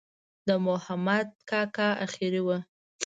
د مخامد کاکا آخري وه.